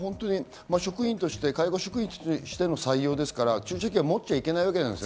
介護職員としての採用ですから、注射器は持っちゃいけないわけです。